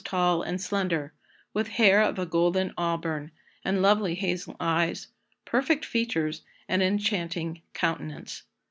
tall and slender, with hair of a golden auburn, and lovely hazel eyes, perfect features, and an enchanting countenance."